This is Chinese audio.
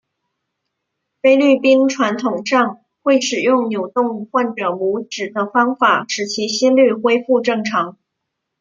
菲律宾传统上会使用扭动患者拇趾的方法使其心律恢复正常。